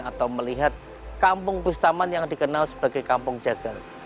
atau melihat kampung bustaman yang dikenal sebagai kampung jagal